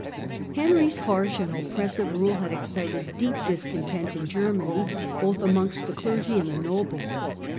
Henry's harsh and oppressive rule had excited deep discontent in Germany, both amongst the clergy and the Revolt in uoblcs.